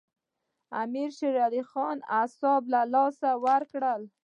امیر شېر علي خان اعصاب له لاسه ورکړل.